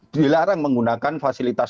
dilarang menggunakan fasilitas